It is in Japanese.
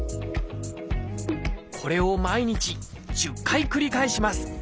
これを毎日１０回繰り返します